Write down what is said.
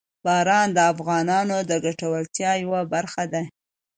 باران د افغانانو د ګټورتیا یوه برخه ده.